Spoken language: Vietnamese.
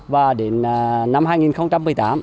và đến năm hai nghìn tám